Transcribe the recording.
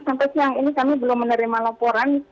sampai siang ini kami belum menerima laporan